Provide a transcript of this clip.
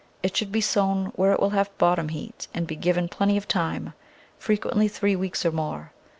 It should be sown where it will have bottom heat and be given plenty of time, frequently three weeks or more.